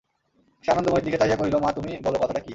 সে আনন্দময়ীর দিকে চাহিয়া কহিল, মা, তুমি বলো কথাটা কী।